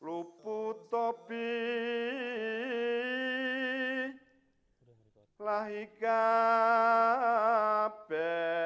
luput obi lahika be